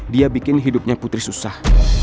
dia bikin hidupnya putri susah